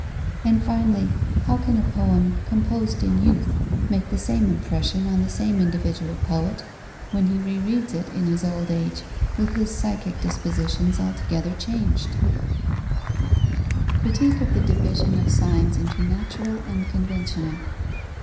And finally, how can a poem composed in youth make the same impression on the same individual poet when he re reads it in his old age, with his psychic dispositions altogether changed? _Critique of the division of signs into natural and conventional.